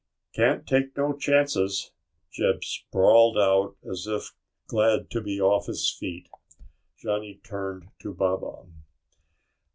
"Can't take no chances." Jeb sprawled out as if glad to be off his feet. Johnny turned to Baba.